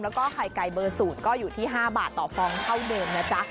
แล้วก็ไข่ไก่เบอร์สูตรก็อยู่ที่๕บาทต่อฟองเท่าเดิมนะจ๊ะ